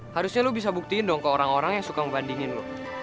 harusnya lo bisa buktiin dong ke orang orang yang suka membandingin lo